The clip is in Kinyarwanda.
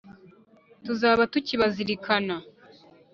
Tuzaba kukibazirikana